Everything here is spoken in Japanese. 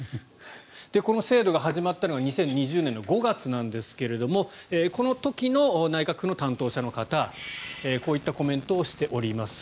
この制度が始まったのが２０２０年の５月なんですがこの時の内閣府の担当者の方こういったコメントをしております。